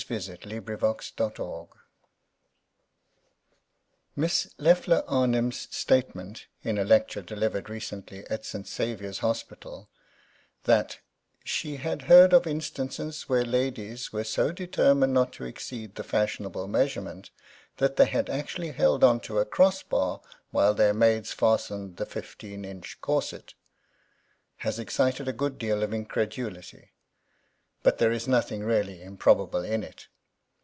SLAVES OF FASHION MISS LEFFLER ARNIM’S statement, in a lecture delivered recently at St. Saviour’s Hospital, that “she had heard of instances where ladies were so determined not to exceed the fashionable measurement that they had actually held on to a cross bar while their maids fastened the fifteen inch corset,” has excited a good deal of incredulity, but there is nothing really improbable in it.